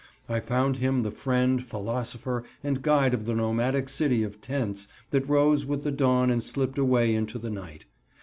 I found him the friend, philosopher, and guide of the nomadic city of tents that rose with the dawn and slipped away into the night.